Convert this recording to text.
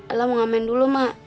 ella mau ngamen dulu ma